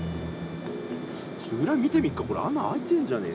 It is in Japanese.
ちょっと裏見てみっかこれ穴開いてんじゃねえか？